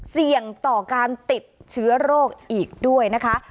เสี่ยงต่อการติดเชื้อโรคอีกด้วยนะคะ